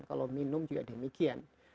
kalau minum juga demikian